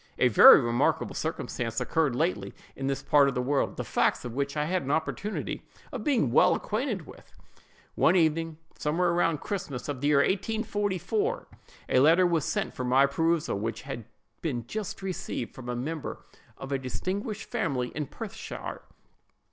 A very remarkable circumstance occurred lately in this part of the world, the facts of which I had an opportunity of being well acquainted with. One evening, somewhere about Christmas, of the year 1844, a letter was sent for my perusal, which had been just received from a member of a distinguished family, in Perthshire.